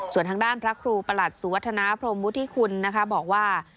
ส่วนทางด้านพระครูประหลัดสุวัฒนาพรมวุฒิคุณนะคะบอกว่า